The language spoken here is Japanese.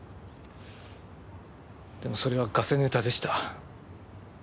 でもそれはガセネタでした。